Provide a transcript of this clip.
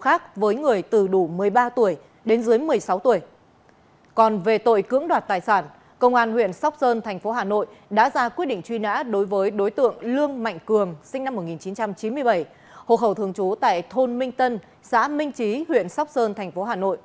hà nội đã ra quyết định truy nã đối với đối tượng lương mạnh cường sinh năm một nghìn chín trăm chín mươi bảy hộ khẩu thường trú tại thôn minh tân xã minh trí huyện sóc sơn thành phố hà nội